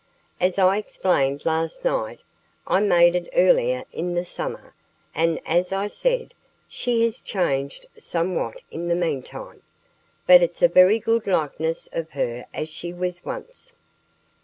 As I explained last night, I made it earlier in the summer; and as I said, she has changed somewhat in the meantime. But it's a very good likeness of her as she was once."